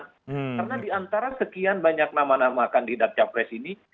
karena diantara sekian banyak nama nama kandidat capres ini